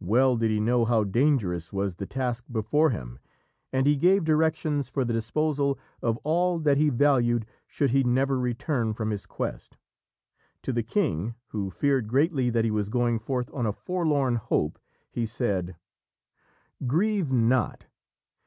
Well did he know how dangerous was the task before him, and he gave directions for the disposal of all that he valued should he never return from his quest. To the King, who feared greatly that he was going forth on a forlorn hope, he said: "Grieve not!...